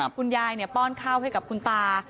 คุณยายป้อนข้าวให้กับคุณตา